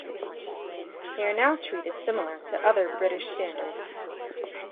They are now treated similar to other British Standards.